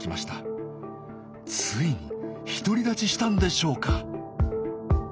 ついに独り立ちしたんでしょうか？